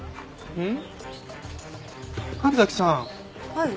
うん？